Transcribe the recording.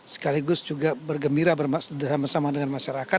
sekaligus juga bergembira bersama dengan masyarakat